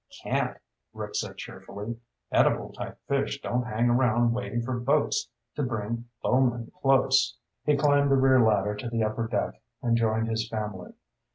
"Can't," Rick said cheerfully. "Edible type fish don't hang around waiting for boats to bring bowmen close." He climbed the rear ladder to the upper deck and joined his family.